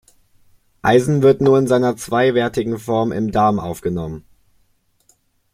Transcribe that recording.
Eisen wird nur in seiner zweiwertigen Form im Darm aufgenommen.